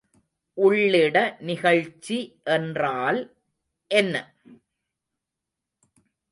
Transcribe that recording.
உள்ளிட நிகழ்ச்சி என்றால் என்ன?